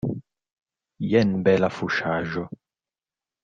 Jen bela fuŝaĵo!